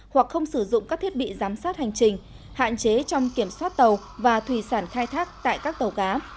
hoặc không sử dụng các thiết bị giám sát hành trình hạn chế trong kiểm soát tàu và thủy sản khai thác tại các tàu cá